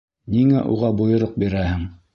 Ниңә уға бойороҡ бирәһең?